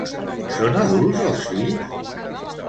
Són adults els fills?